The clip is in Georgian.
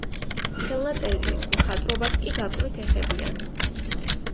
ხელნაწერის მხატვრობას კი გაკვრით ეხებიან.